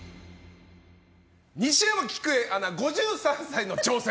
西山喜久恵アナ５３歳の挑戦